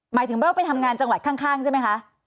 หมายถึงว่าไปทำงานจังหวัดข้างใช่ไหมคะ